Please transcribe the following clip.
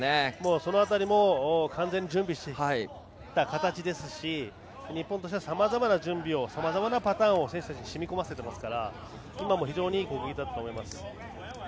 その辺りも完全に準備してきた形ですし日本としてはさまざまな準備をさまざまなパターンを選手たち、しみ込ませてますから今も非常にいい攻撃だったと思います。